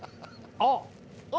あっ！